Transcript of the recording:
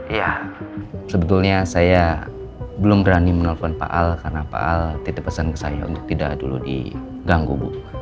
ya sebetulnya saya belum berani menelpon pak al karena pak al titip pesan ke saya untuk tidak dulu diganggu bu